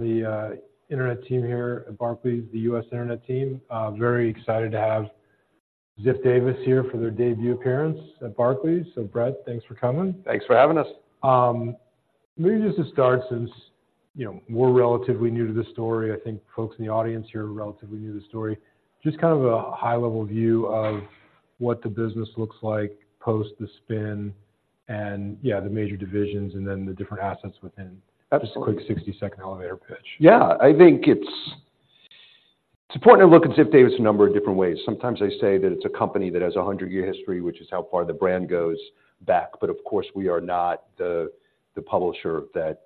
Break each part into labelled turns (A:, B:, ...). A: The internet team here at Barclays, the U.S. internet team. Very excited to have Ziff Davis here for their debut appearance at Barclays. So, Bret, thanks for coming.
B: Thanks for having us.
A: Maybe just to start since, you know, we're relatively new to this story, I think folks in the audience here are relatively new to the story. Just kind of a high-level view of what the business looks like post the spin and, yeah, the major divisions and then the different assets within.
B: Absolutely.
A: Just a quick 60-second elevator pitch.
B: Yeah. I think it's important to look at Ziff Davis a number of different ways. Sometimes I say that it's a company that has a 100-year history, which is how far the brand goes back, but of course, we are not the publisher that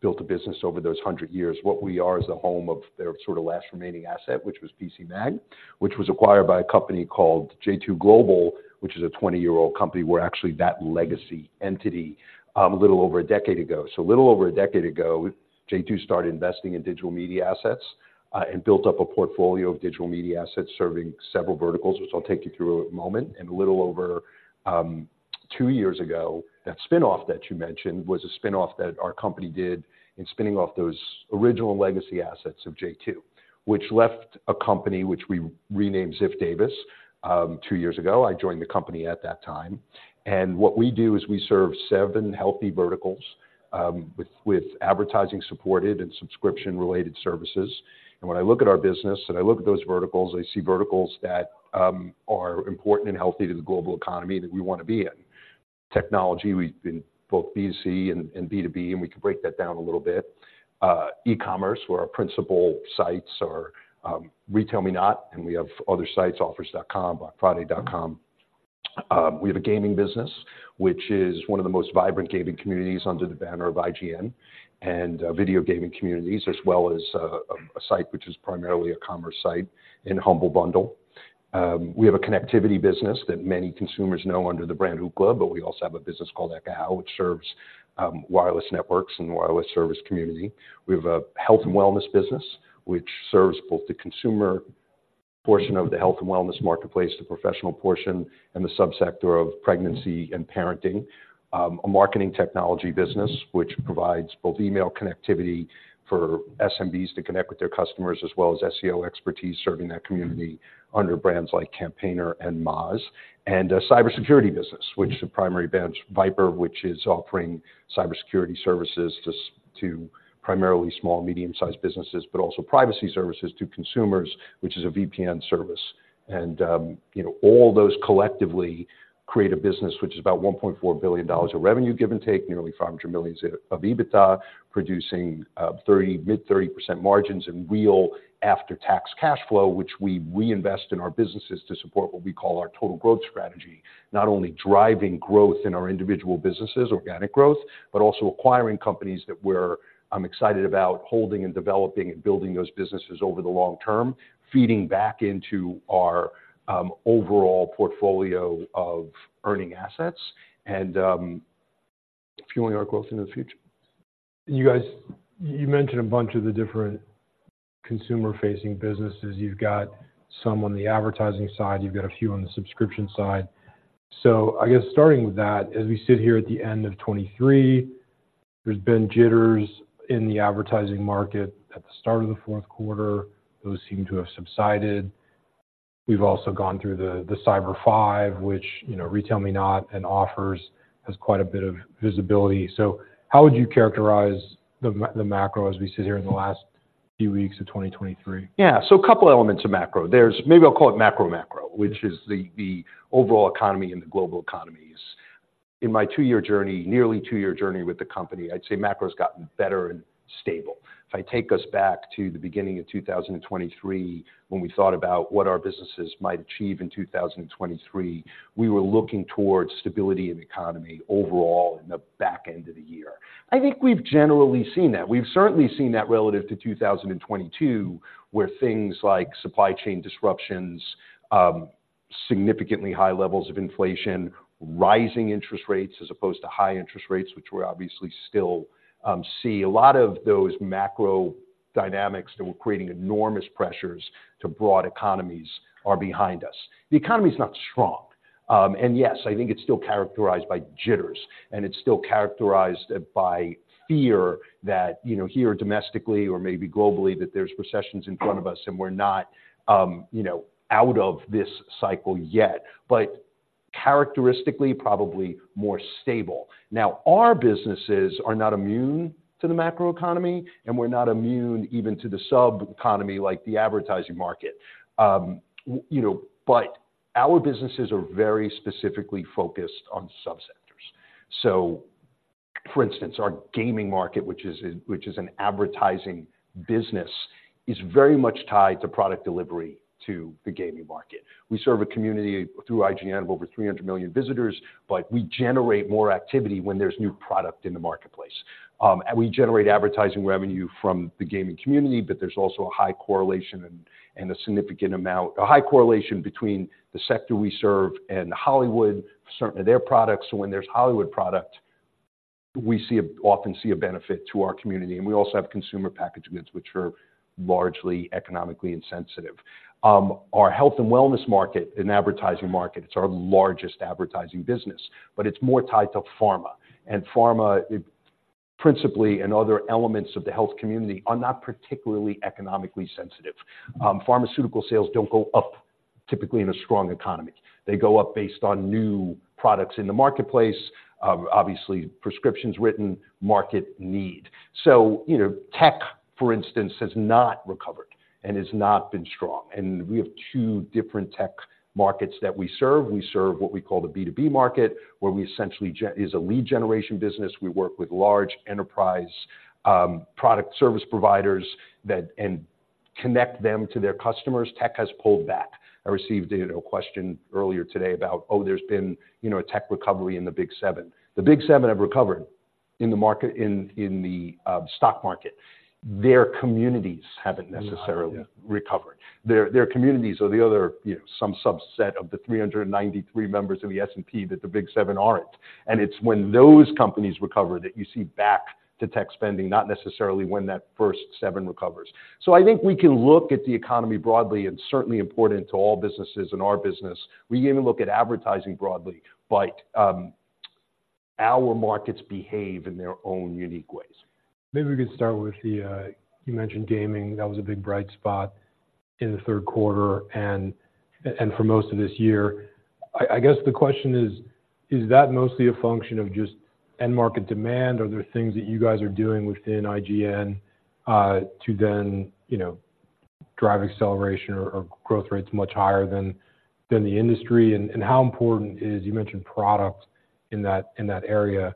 B: built a business over those 100 years. What we are is the home of their sort of last remaining asset, which was PCMag, which was acquired by a company called J2 Global, which is a 20-year-old company, where actually that legacy entity a little over a decade ago. So a little over a decade ago, J2 started investing in digital media assets and built up a portfolio of digital media assets serving several verticals, which I'll take you through in a moment. A little over two years ago, that spin-off that you mentioned was a spin-off that our company did in spinning off those original legacy assets of J2. Which left a company, which we renamed Ziff Davis, two years ago. I joined the company at that time, and what we do is we serve seven healthy verticals with advertising-supported and subscription-related services. When I look at our business, and I look at those verticals, I see verticals that are important and healthy to the global economy that we want to be in. Technology, we've been both B2C and B2B, and we can break that down a little bit. E-commerce, where our principal sites are RetailMeNot, and we have other sites, Offers.com, BlackFriday.com. We have a gaming business, which is one of the most vibrant gaming communities under the banner of IGN and video gaming communities, as well as a site which is primarily a commerce site in Humble Bundle. We have a connectivity business that many consumers know under the brand Ookla, but we also have a business called Ekahau, which serves wireless networks and wireless service community. We have a health and wellness business, which serves both the consumer portion of the health and wellness marketplace, the professional portion, and the subsector of pregnancy and parenting. A marketing technology business, which provides both email connectivity for SMBs to connect with their customers, as well as SEO expertise, serving that community under brands like Campaigner and Moz. A cybersecurity business, which the primary brand is VIPRE, which is offering cybersecurity services to to primarily small and medium-sized businesses, but also privacy services to consumers, which is a VPN service. And, you know, all those collectively create a business, which is about $1.4 billion of revenue, give and take, nearly $500 million of EBITDA, producing mid-30% margins and real after-tax cash flow, which we reinvest in our businesses to support what we call our total growth strategy. Not only driving growth in our individual businesses, organic growth, but also acquiring companies that we're excited about holding and developing and building those businesses over the long term, feeding back into our overall portfolio of earning assets and fueling our growth in the future.
A: You guys, you mentioned a bunch of the different consumer-facing businesses. You've got some on the advertising side, you've got a few on the subscription side. So I guess starting with that, as we sit here at the end of 2023, there's been jitters in the advertising market at the start of the fourth quarter. Those seem to have subsided. We've also gone through the Cyber Five, which, you know, RetailMeNot and Offers has quite a bit of visibility. So how would you characterize the macro as we sit here in the last few weeks of 2023?
B: Yeah. So a couple of elements of macro. There's... maybe I'll call it macro macro, which is the overall economy and the global economies. In my 2-year journey, nearly 2-year journey with the company, I'd say macro has gotten better and stable. If I take us back to the beginning of 2023, when we thought about what our businesses might achieve in 2023, we were looking towards stability in the economy overall in the back end of the year. I think we've generally seen that. We've certainly seen that relative to 2022, where things like supply chain disruptions, significantly high levels of inflation, rising interest rates as opposed to high interest rates, which we're obviously still see. A lot of those macro dynamics that were creating enormous pressures to broad economies are behind us. The economy is not strong. Yes, I think it's still characterized by jitters, and it's still characterized by fear that, you know, here domestically or maybe globally, that there's recessions in front of us and we're not, you know, out of this cycle yet, but characteristically, probably more stable. Now, our businesses are not immune to the macroeconomy, and we're not immune even to the subeconomy, like the advertising market. You know, but our businesses are very specifically focused on subsectors. So for instance, our gaming market, which is an advertising business, is very much tied to product delivery to the gaming market. We serve a community through IGN of over 300 million visitors, but we generate more activity when there's new product in the marketplace. And we generate advertising revenue from the gaming community, but there's also a high correlation between the sector we serve and Hollywood, certainly their products. So when there's Hollywood product, we often see a benefit to our community, and we also have consumer packaged goods, which are largely economically insensitive. Our health and wellness market and advertising market, it's our largest advertising business, but it's more tied to pharma. And pharma, principally and other elements of the health community are not particularly economically sensitive. Pharmaceutical sales don't go up typically in a strong economy. They go up based on new products in the marketplace, obviously, prescriptions written, market need. So, you know, tech, for instance, has not recovered and has not been strong, and we have two different tech markets that we serve. We serve what we call the B2B market, where we essentially is a lead generation business. We work with large enterprise product service providers and connect them to their customers. Tech has pulled back. I received, you know, a question earlier today about, oh, there's been, you know, a tech recovery in the Big Seven. The Big Seven have recovered in the stock market. Their communities haven't necessarily recovered. Their communities or the other, you know, some subset of the 393 members of the S&P that the Big Seven aren't. And it's when those companies recover that you see back to tech spending, not necessarily when that first seven recovers. So I think we can look at the economy broadly and certainly important to all businesses and our business. We even look at advertising broadly, but, our markets behave in their own unique ways.
A: Maybe we could start with the... You mentioned gaming. That was a big bright spot in the third quarter and for most of this year. I guess the question is: Is that mostly a function of just end market demand, or are there things that you guys are doing within IGN to then, you know, drive acceleration or growth rates much higher than the industry? And how important is... You mentioned products in that area.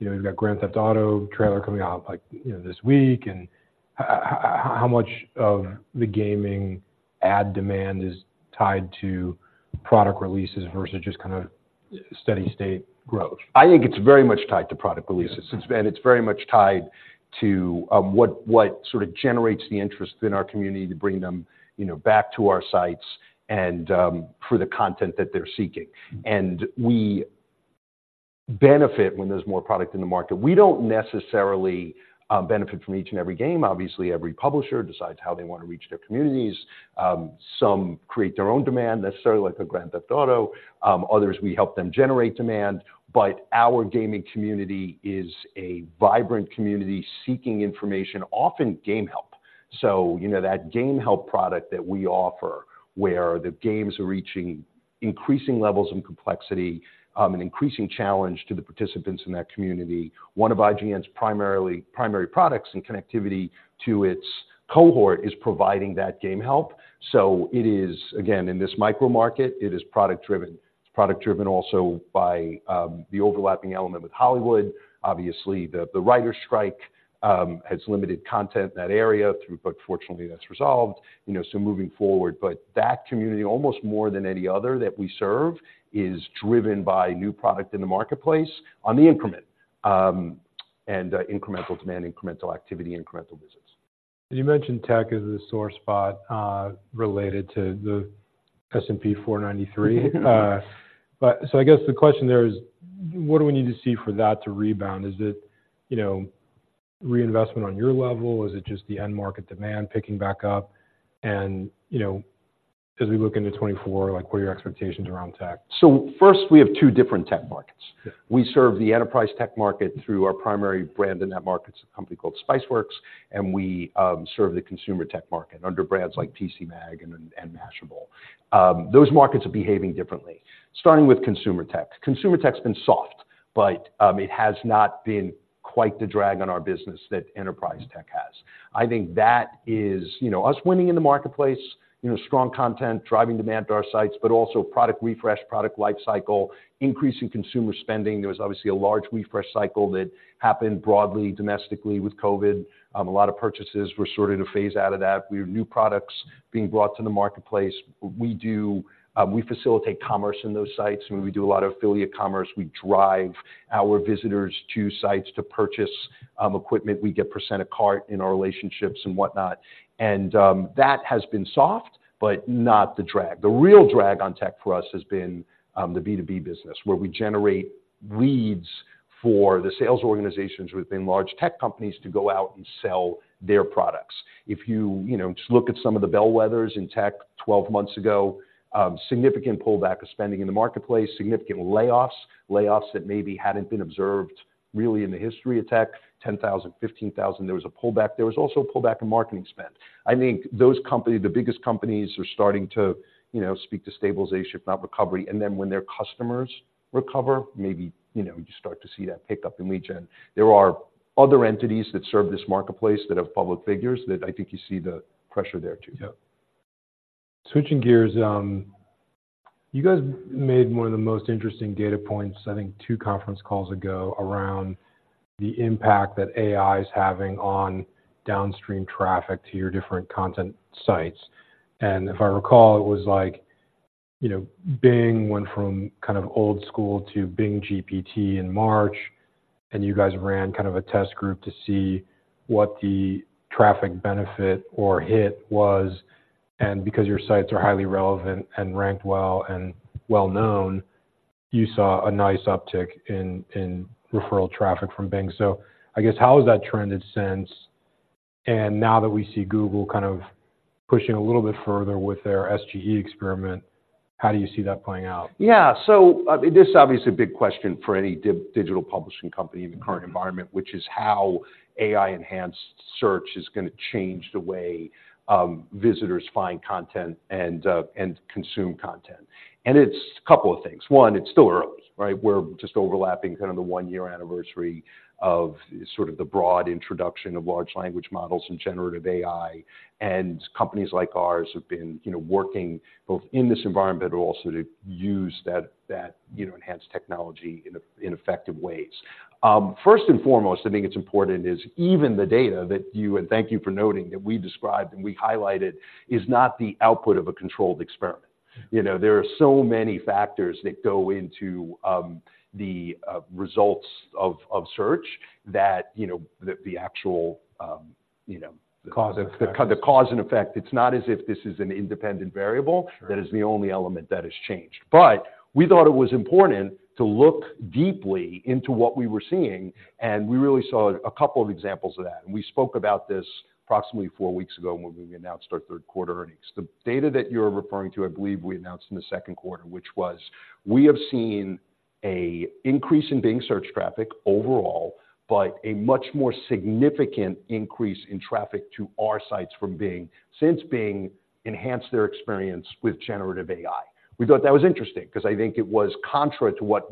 A: You know, you've got Grand Theft Auto trailer coming out, like, you know, this week, and how much of the gaming ad demand is tied to product releases versus just kind of steady state growth?
B: I think it's very much tied to product releases.
A: Yeah.
B: It's very much tied to what sort of generates the interest in our community to bring them, you know, back to our sites and for the content that they're seeking. We benefit when there's more product in the market. We don't necessarily benefit from each and every game. Obviously, every publisher decides how they want to reach their communities. Some create their own demand, necessarily like a Grand Theft Auto. Others, we help them generate demand, but our gaming community is a vibrant community seeking information, often game help. So, you know, that game help product that we offer, where the games are reaching increasing levels of complexity and increasing challenge to the participants in that community. One of IGN's primary products and connectivity to its cohort is providing that game help. So it is, again, in this micro market, it is product-driven. It's product-driven also by the overlapping element with Hollywood. Obviously, the writers' strike has limited content in that area through... But fortunately, that's resolved, you know, so moving forward. But that community, almost more than any other that we serve, is driven by new product in the marketplace on the increment, and incremental demand, incremental activity, incremental visits.
A: You mentioned tech as a sore spot related to the S&P 493. But so I guess the question there is: What do we need to see for that to rebound? Is it, you know, reinvestment on your level, or is it just the end market demand picking back up? And, you know, as we look into 2024, like, what are your expectations around tech?
B: First, we have two different tech markets.
A: Yeah.
B: We serve the enterprise tech market through our primary brand, and that market's a company called Spiceworks, and we serve the consumer tech market under brands like PCMag and Mashable. Those markets are behaving differently. Starting with consumer tech. Consumer tech's been soft, but it has not been quite the drag on our business that enterprise tech has. I think that is, you know, us winning in the marketplace, you know, strong content, driving demand to our sites, but also product refresh, product lifecycle, increasing consumer spending. There was obviously a large refresh cycle that happened broadly, domestically with COVID. A lot of purchases were sort of to phase out of that. We have new products being brought to the marketplace. We do, we facilitate commerce in those sites, and we do a lot of affiliate commerce. We drive our visitors to sites to purchase equipment. We get % of cart in our relationships and whatnot, and that has been soft, but not the drag. The real drag on tech for us has been the B2B business, where we generate leads for the sales organizations within large tech companies to go out and sell their products. If you, you know, just look at some of the bellwethers in tech 12 months ago, significant pullback of spending in the marketplace, significant layoffs. Layoffs that maybe hadn't been observed really in the history of tech, 10,000, 15,000, there was a pullback. There was also a pullback in marketing spend. I think those companies, the biggest companies, are starting to, you know, speak to stabilization, if not recovery. And then when their customers recover, maybe, you know, you start to see that pick up in lead gen. There are other entities that serve this marketplace that have public figures that I think you see the pressure there, too.
A: Yeah. Switching gears, you guys made one of the most interesting data points, I think, two conference calls ago around the impact that AI is having on downstream traffic to your different content sites. And if I recall, it was like, you know, Bing went from kind of old school to Bing GPT in March, and you guys ran kind of a test group to see what the traffic benefit or hit was. And because your sites are highly relevant and ranked well and well-known, you saw a nice uptick in referral traffic from Bing. So I guess, how has that trended since? And now that we see Google kind of pushing a little bit further with their SGE experiment, how do you see that playing out?
B: Yeah. So, this is obviously a big question for any digital publishing company in the current environment, which is how AI-enhanced search is gonna change the way visitors find content and and consume content. And it's a couple of things. One, it's still early, right? We're just overlapping kind of the 1-year anniversary of sort of the broad introduction of large language models and generative AI, and companies like ours have been, you know, working both in this environment, but also to use that you know enhanced technology in effective ways. First and foremost, I think it's important is even the data that you, and thank you for noting, that we described and we highlighted is not the output of a controlled experiment. You know, there are so many factors that go into the results of search that, you know, the actual, you know-
A: Cause and effect
B: the cause and effect. It's not as if this is an independent variable-
A: Sure
B: That is the only element that has changed. But we thought it was important to look deeply into what we were seeing, and we really saw a couple of examples of that. And we spoke about this approximately four weeks ago when we announced our third-quarter earnings. The data that you're referring to, I believe we announced in the second quarter, which was: we have seen an increase in Bing search traffic overall, but a much more significant increase in traffic to our sites from Bing, since Bing enhanced their experience with generative AI. We thought that was interesting because I think it was contrary to what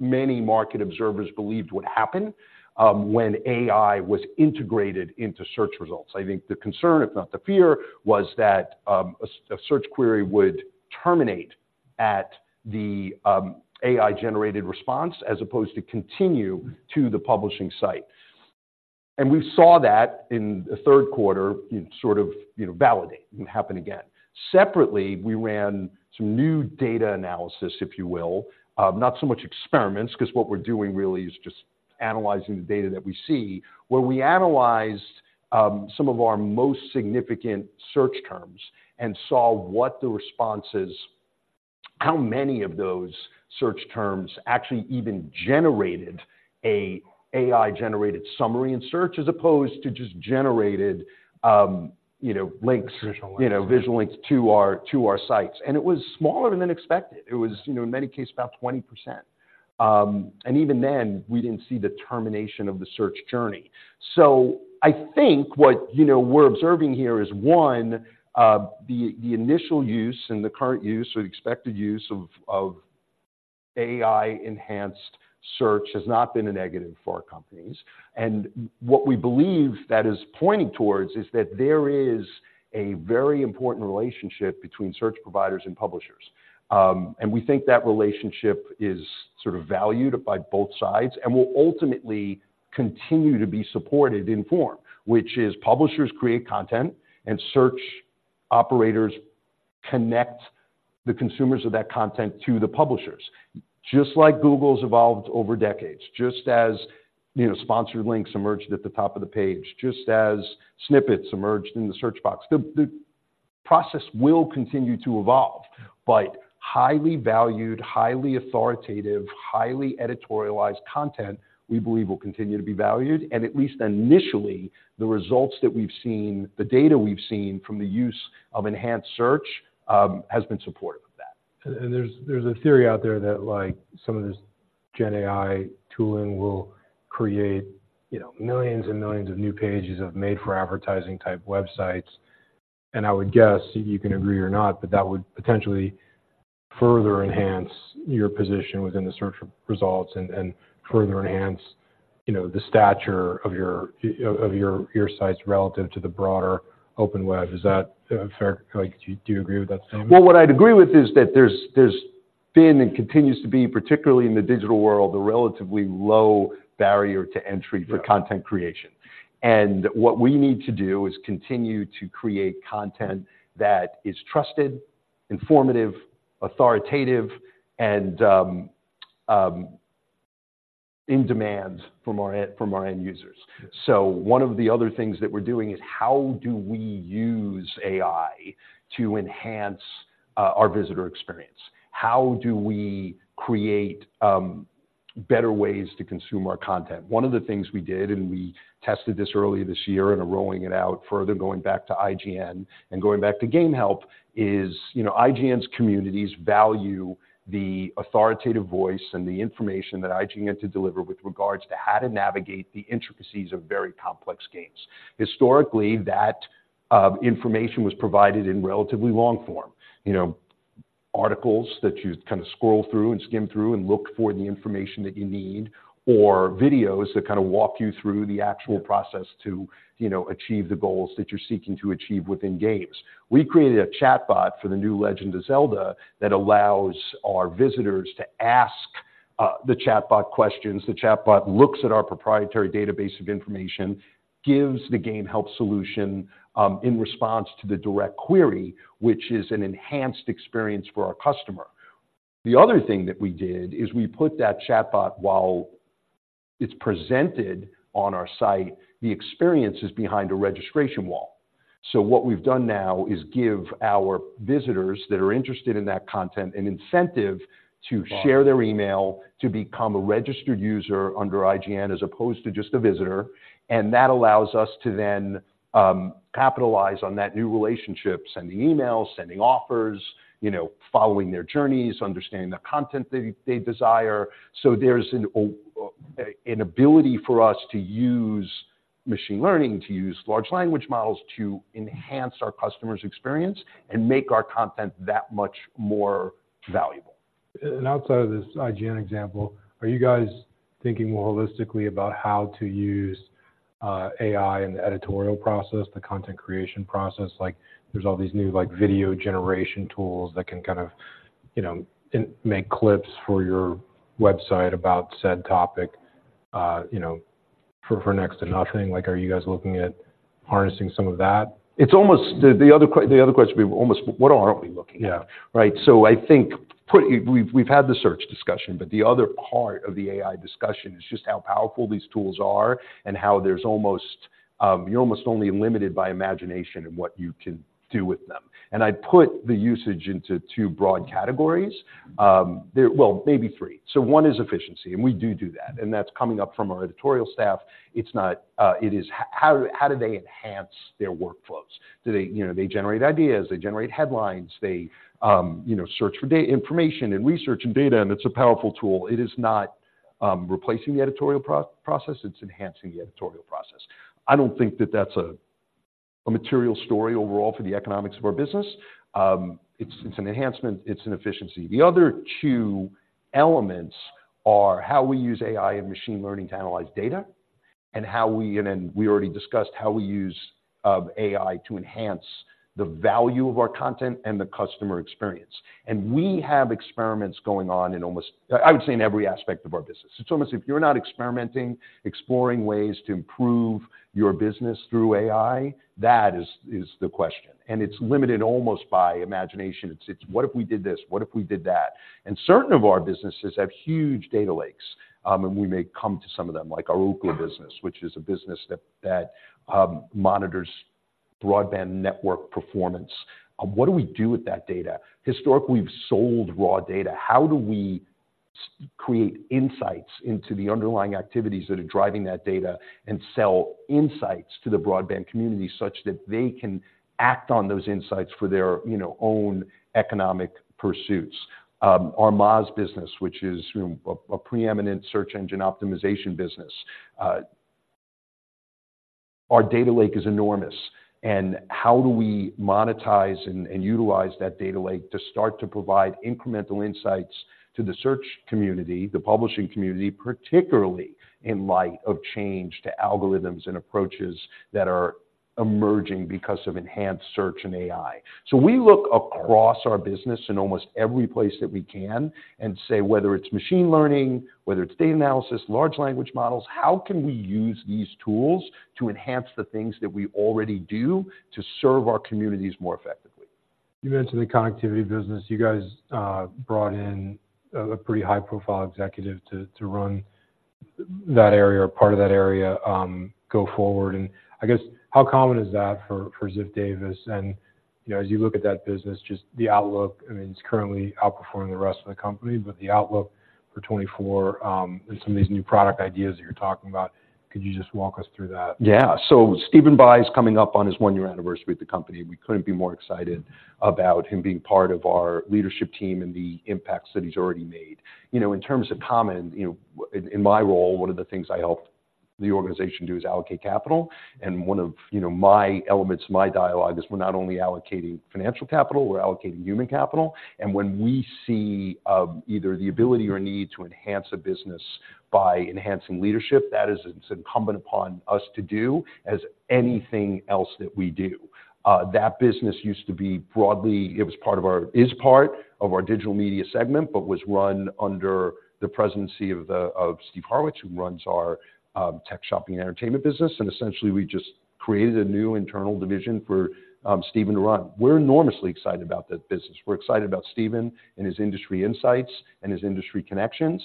B: many market observers believed would happen, when AI was integrated into search results. I think the concern, if not the fear, was that a search query would terminate at the AI-generated response, as opposed to continue to the publishing site. And we saw that in the third quarter, sort of, you know, validate and happen again. Separately, we ran some new data analysis, if you will. Not so much experiments, because what we're doing really is just analyzing the data that we see. Where we analyzed some of our most significant search terms and saw what the responses... How many of those search terms actually even generated an AI-generated summary in search, as opposed to just generated, you know, links-
A: Traditional links.
B: You know, visual links to our sites, and it was smaller than expected. It was, you know, in many cases, about 20%. And even then, we didn't see the termination of the search journey. So I think what, you know, we're observing here is, one, the initial use and the current use or the expected use of AI-enhanced search has not been a negative for our companies. And what we believe that is pointing towards is that there is a very important relationship between search providers and publishers. And we think that relationship is sort of valued by both sides and will ultimately continue to be supported in form, which is publishers create content, and search operators connect the consumers of that content to the publishers. Just like Google's evolved over decades, just as, you know, sponsored links emerged at the top of the page, just as snippets emerged in the search box. The process will continue to evolve, but highly valued, highly authoritative, highly editorialized content, we believe, will continue to be valued, and at least initially, the results that we've seen, the data we've seen from the use of enhanced search has been supportive of that.
A: And there's a theory out there that, like, some of this Gen AI tooling will create, you know, millions and millions of new pages of made-for-advertising type websites. I would guess, you can agree or not, but that would potentially further enhance your position within the search results and further enhance, you know, the stature of your sites relative to the broader open web. Is that fair? Like, do you agree with that statement?
B: Well, what I'd agree with is that there's, there's been and continues to be, particularly in the digital world, a relatively low barrier to entry-
A: Yeah
B: for content creation. And what we need to do is continue to create content that is trusted, informative, authoritative, and in demand from our end users. So one of the other things that we're doing is how do we use AI to enhance our visitor experience? How do we create better ways to consume our content? One of the things we did, and we tested this earlier this year and are rolling it out further, going back to IGN and going back to Game Help, is, you know, IGN's communities value the authoritative voice and the information that IGN had to deliver with regards to how to navigate the intricacies of very complex games. Historically, that information was provided in relatively long form. You know, articles that you kind of scroll through and skim through and look for the information that you need, or videos that kind of walk you through the actual process to, you know, achieve the goals that you're seeking to achieve within games. We created a chatbot for the new Legend of Zelda that allows our visitors to ask the chatbot questions. The chatbot looks at our proprietary database of information, gives the Game Help solution in response to the direct query, which is an enhanced experience for our customer. The other thing that we did is we put that chatbot, while it's presented on our site, the experience is behind a registration wall. So what we've done now is give our visitors that are interested in that content an incentive to share their email, to become a registered user under IGN, as opposed to just a visitor. And that allows us to then, capitalize on that new relationship, sending emails, sending offers, you know, following their journeys, understanding the content they desire. So there's an ability for us to use machine learning, to use large language models to enhance our customer's experience and make our content that much more valuable.
A: Outside of this IGN example, are you guys thinking more holistically about how to use AI in the editorial process, the content creation process? Like, there's all these new, like, video generation tools that can kind of, you know, make clips for your website about said topic, you know, for next to nothing. Like, are you guys looking at harnessing some of that?
B: It's almost... the other question would be almost: What aren't we looking at?
A: Yeah.
B: Right. So I think pretty—we've had the search discussion, but the other part of the AI discussion is just how powerful these tools are and how there's almost... You're almost only limited by imagination in what you can do with them. And I'd put the usage into two broad categories. Well, maybe three. So one is efficiency, and we do that, and that's coming up from our editorial staff. It's not... It is, how do they enhance their workflows? You know, they generate ideas, they generate headlines, they, you know, search for data, information and research and data, and it's a powerful tool. It is not replacing the editorial process. It's enhancing the editorial process. I don't think that's a material story overall for the economics of our business. It's an enhancement, it's an efficiency. The other two elements are how we use AI and machine learning to analyze data, and how we... And then we already discussed how we use AI to enhance the value of our content and the customer experience. We have experiments going on in almost, I would say, in every aspect of our business. It's almost if you're not experimenting, exploring ways to improve your business through AI, that is, is the question, and it's limited almost by imagination. It's: What if we did this? What if we did that? And certain of our businesses have huge data lakes, and we may come to some of them, like our Ookla business, which is a business that monitors broadband network performance. What do we do with that data? Historically, we've sold raw data. How do we create insights into the underlying activities that are driving that data and sell insights to the broadband community, such that they can act on those insights for their, you know, own economic pursuits? Our Moz business, which is, you know, a preeminent search engine optimization business, our data lake is enormous. And how do we monetize and utilize that data lake to start to provide incremental insights to the search community, the publishing community, particularly in light of change to algorithms and approaches that are emerging because of enhanced search and AI? So we look across our business in almost every place that we can and say, whether it's machine learning, whether it's data analysis, large language models, how can we use these tools to enhance the things that we already do to serve our communities more effectively?
A: You mentioned the connectivity business. You guys brought in a pretty high-profile executive to run that area or part of that area go forward. I guess, how common is that for Ziff Davis? And, you know, as you look at that business, just the outlook, I mean, it's currently outperforming the rest of the company, but the outlook for 2024 and some of these new product ideas that you're talking about, could you just walk us through that?
B: Yeah. So Steven Bye is coming up on his one-year anniversary with the company. We couldn't be more excited about him being part of our leadership team and the impacts that he's already made. You know, in terms of, you know, in my role, one of the things I helped the organization do is allocate capital. And one of, you know, my elements, my dialogue, is we're not only allocating financial capital, we're allocating human capital. And when we see either the ability or need to enhance a business by enhancing leadership, that is, it's incumbent upon us to do as anything else that we do. That business used to be broadly. It was part of our, is part of our digital media segment, but was run under the presidency of of Steve Horowitz, who runs our tech, shopping, and entertainment business. Essentially, we just created a new internal division for Steven to run. We're enormously excited about that business. We're excited about Steven and his industry insights and his industry connections.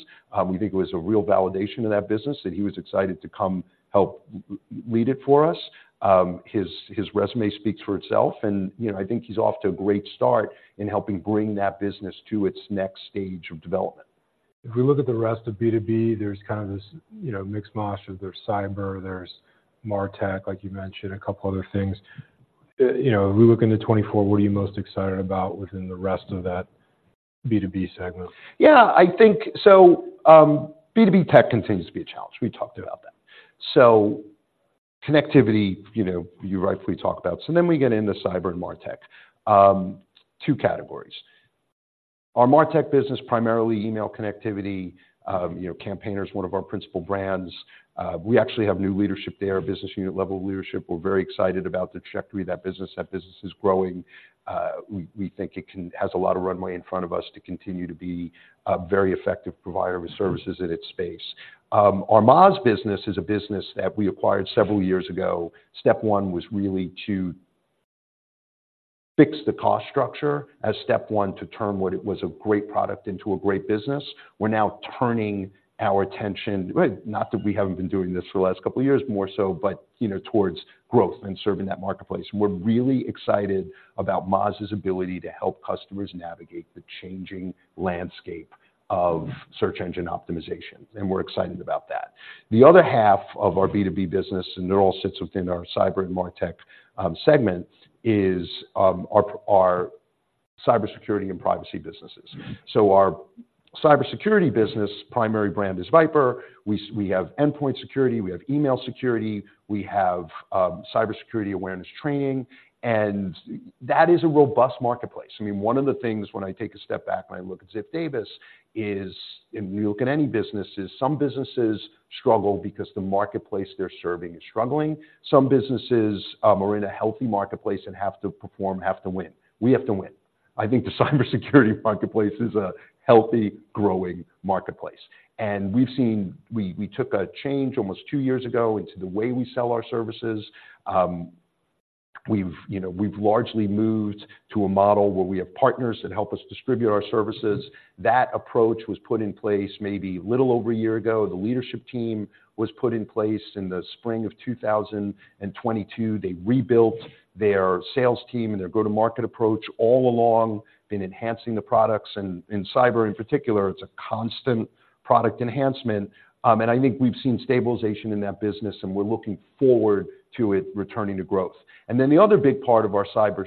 B: We think it was a real validation of that business, that he was excited to come help read it for us. His resume speaks for itself, and, you know, I think he's off to a great start in helping bring that business to its next stage of development.
A: If we look at the rest of B2B, there's kind of this, you know, mixed mash of there's cyber, there's MarTech, like you mentioned, a couple other things. You know, if we look into 2024, what are you most excited about within the rest of that B2B segment?
B: Yeah, I think. So, B2B tech continues to be a challenge. We talked about that. So connectivity, you know, you rightfully talked about. So then we get into cyber and MarTech. Two categories. Our MarTech business, primarily email connectivity, you know, Campaigner is one of our principal brands. We actually have new leadership there, business unit level leadership. We're very excited about the trajectory of that business. That business is growing. We think it has a lot of runway in front of us to continue to be a very effective provider of services in its space. Our Moz business is a business that we acquired several years ago. Step one was really to fix the cost structure as step one to turn what it was a great product into a great business. We're now turning our attention, well, not that we haven't been doing this for the last couple of years, more so, but, you know, towards growth and serving that marketplace. We're really excited about Moz's ability to help customers navigate the changing landscape of search engine optimization, and we're excited about that. The other half of our B2B business, and they're all sits within our cyber and MarTech segment, is our cybersecurity and privacy businesses. So our cybersecurity business, primary brand is VIPRE. We have endpoint security, we have email security, we have cybersecurity awareness training, and that is a robust marketplace. I mean, one of the things when I take a step back and I look at Ziff Davis is, and we look at any businesses, some businesses struggle because the marketplace they're serving is struggling. Some businesses are in a healthy marketplace and have to perform, have to win. We have to win. I think the cybersecurity marketplace is a healthy, growing marketplace, and we've seen we took a change almost two years ago into the way we sell our services. We've, you know, we've largely moved to a model where we have partners that help us distribute our services. That approach was put in place maybe a little over a year ago. The leadership team was put in place in the spring of 2022. They rebuilt their sales team and their go-to-market approach all along, been enhancing the products, and in cyber in particular, it's a constant product enhancement. And I think we've seen stabilization in that business, and we're looking forward to it returning to growth. Then the other big part of our cyber,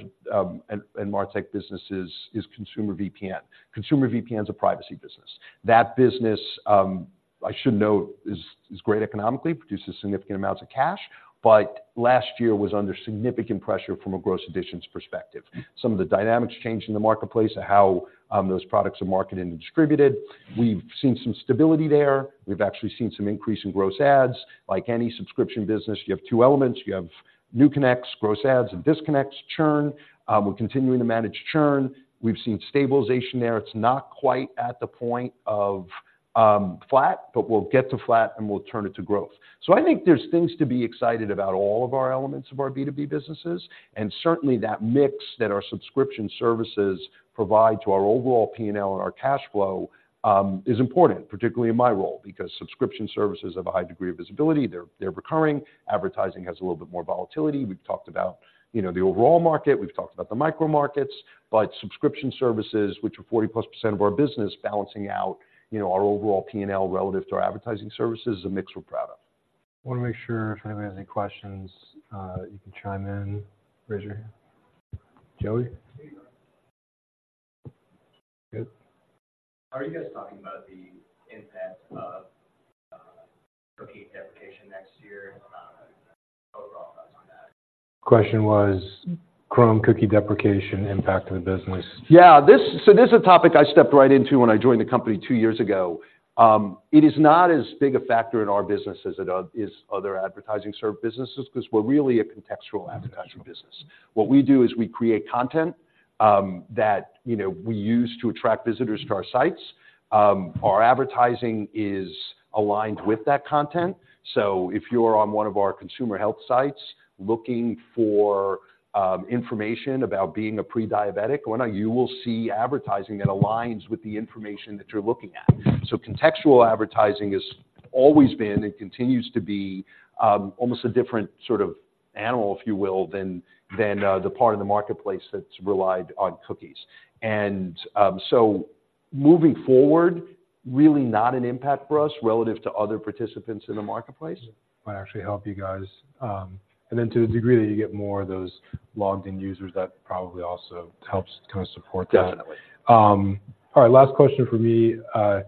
B: and MarTech business is consumer VPN. Consumer VPN is a privacy business. That business, I should note, is great economically, produces significant amounts of cash, but last year was under significant pressure from a gross additions perspective. Some of the dynamics changed in the marketplace of how those products are marketed and distributed. We've seen some stability there. We've actually seen some increase in gross adds. Like any subscription business, you have two elements. You have new connects, gross adds, and disconnects, churn. We're continuing to manage churn. We've seen stabilization there. It's not quite at the point of flat, but we'll get to flat, and we'll turn it to growth. So I think there's things to be excited about all of our elements of our B2B businesses, and certainly, that mix that our subscription services provide to our overall P&L and our cash flow is important, particularly in my role, because subscription services have a high degree of visibility. They're recurring. Advertising has a little bit more volatility. We've talked about, you know, the overall market, we've talked about the micro markets, but subscription services, which are 40%+ of our business, balancing out, you know, our overall P&L relative to our advertising services, is a mix we're proud of.
A: I wanna make sure if anybody has any questions, you can chime in. Raise your hand. Joey? Good.
C: Are you guys talking about the impact of cookie deprecation next year? Overall thoughts on that.
A: Question was Chrome cookie deprecation impact to the business.
B: Yeah, so this is a topic I stepped right into when I joined the company two years ago. It is not as big a factor in our business as it are, is other advertising served businesses, because we're really a contextual advertising business. What we do is we create content that, you know, we use to attract visitors to our sites. Our advertising is aligned with that content. So if you're on one of our consumer health sites looking for information about being a pre-diabetic, well, now you will see advertising that aligns with the information that you're looking at. So contextual advertising has always been and continues to be almost a different sort of animal, if you will, than than the part of the marketplace that's relied on cookies. Moving forward, really not an impact for us relative to other participants in the marketplace.
A: Might actually help you guys. And then to the degree that you get more of those logged-in users, that probably also helps kinda support that.
B: Definitely.
A: All right, last question for me. So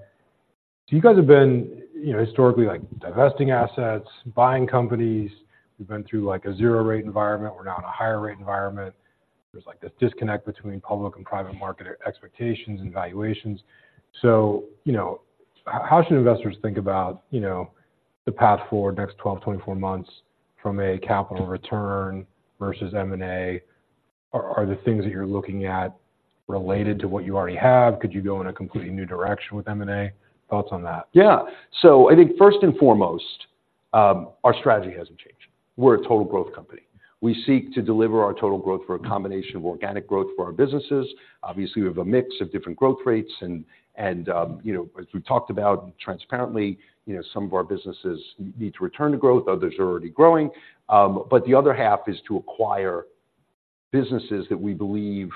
A: you guys have been, you know, historically, like, divesting assets, buying companies. You've been through, like, a zero-rate environment. We're now in a higher rate environment. There's, like, this disconnect between public and private market expectations and valuations. So, you know, how should investors think about, you know, the path forward next 12, 24 months from a capital return versus M&A? Are, are the things that you're looking at related to what you already have? Could you go in a completely new direction with M&A? Thoughts on that.
B: Yeah. So I think first and foremost, our strategy hasn't changed. We're a total growth company. We seek to deliver our total growth for a combination of organic growth for our businesses. Obviously, we have a mix of different growth rates, and you know, as we talked about transparently, you know, some of our businesses need to return to growth, others are already growing. But the other half is to acquire businesses that we believe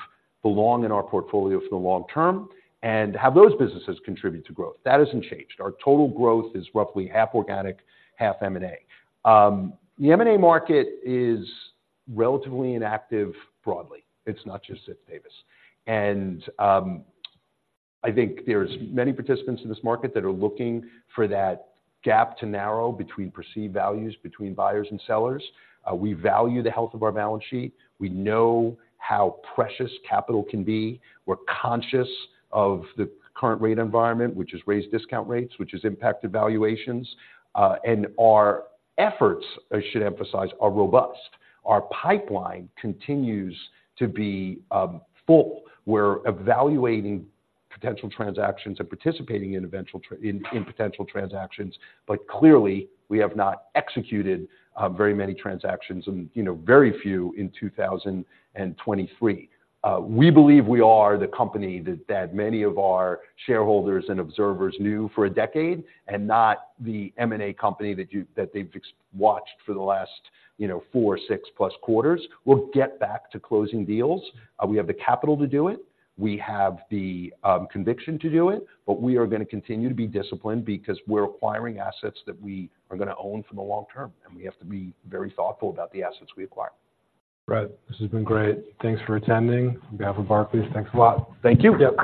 B: belong in our portfolio for the long term and have those businesses contribute to growth. That hasn't changed. Our total growth is roughly half organic, half M&A. The M&A market is relatively inactive broadly. It's not just Ziff Davis. And I think there's many participants in this market that are looking for that gap to narrow between perceived values, between buyers and sellers. We value the health of our balance sheet. We know how precious capital can be. We're conscious of the current rate environment, which has raised discount rates, which has impacted valuations. And our efforts, I should emphasize, are robust. Our pipeline continues to be full. We're evaluating potential transactions and participating in potential transactions, but clearly, we have not executed very many transactions and, you know, very few in 2023. We believe we are the company that many of our shareholders and observers knew for a decade, and not the M&A company that they've watched for the last, you know, 4 or 6+ quarters. We'll get back to closing deals. We have the capital to do it, we have the conviction to do it, but we are gonna continue to be disciplined because we're acquiring assets that we are gonna own for the long term, and we have to be very thoughtful about the assets we acquire.
A: Right. This has been great. Thanks for attending. On behalf of Barclays, thanks a lot.
B: Thank you.